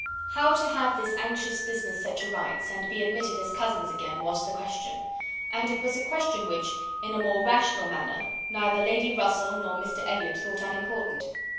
How to have this anxious business set to rights, and be admitted as cousins again, was the question: and it was a question which, in a more rational manner, neither Lady Russell nor Mr Elliot thought unimportant.